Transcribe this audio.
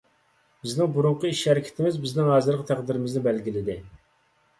بىزنىڭ بۇرۇنقى ئىش-ھەرىكىتىمىز بىزنىڭ ھازىرقى تەقدىرىمىزنى بەلگىلىدى.